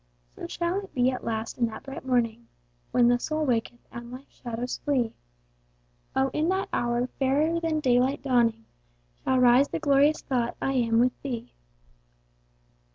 So shall it be at last in that bright morning, When the soul waketh, and life's shadows flee; O in that hour, fairer than daylight dawning, Shall rise the glorious thought I am with Thee.